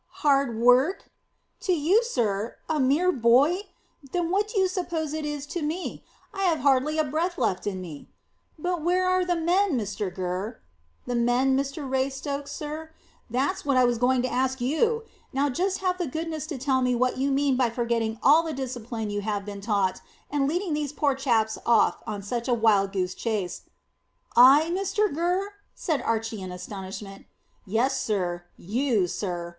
"Hard work! To you, sir a mere boy! Then what do you suppose it is to me? I have hardly a breath left in me." "But where are the men Mr Gurr?" "The men, Mr Raystoke, sir? That's what I was going to ask you. Now just have the goodness to tell me what you mean by forgetting all the discipline you have been taught, and leading these poor chaps off on such a wild goose chase." "I, Mr Gurr?" said Archy in astonishment. "Yes, sir, you, sir.